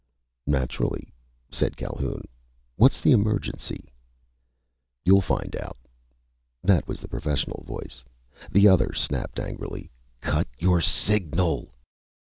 _" "Naturally," said Calhoun. "What's the emergency?" "You'll find out...." That was the professional voice. The other snapped angrily, "_Cut your signal!